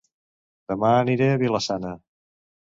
Dema aniré a Vila-sana